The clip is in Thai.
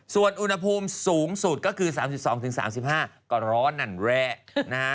ส่วนอุณหภูมิสูงสุดก็คือ๓๒๓๕ก็ร้อนนั่นแหละนะฮะ